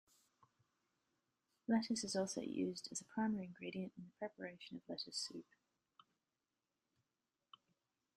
Lettuce is also used as a primary ingredient in the preparation of lettuce soup.